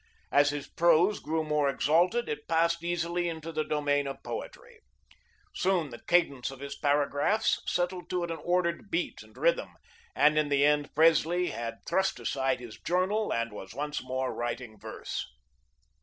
As his prose grew more exalted, it passed easily into the domain of poetry. Soon the cadence of his paragraphs settled to an ordered beat and rhythm, and in the end Presley had thrust aside his journal and was once more writing verse.